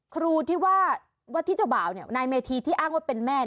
ครูที่ว่าวัดที่เจ้าบ่าวเนี่ยนายเมธีที่อ้างว่าเป็นแม่